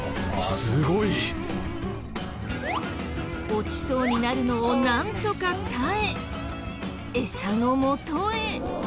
落ちそうになるのをなんとか耐えエサのもとへ。